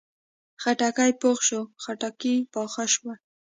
خټکی پوخ شو، خټکي پاخه شول